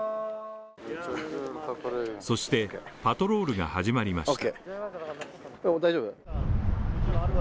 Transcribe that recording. そしてパトロールが始まりました